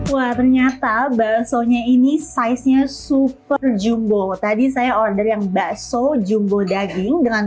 wah ternyata baksonya ini size nya super jumbo tadi saya order yang bakso jumbo daging dengan